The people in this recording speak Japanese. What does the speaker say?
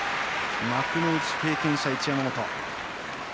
幕内経験者、一山本。